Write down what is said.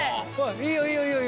いいよいいよいいよ。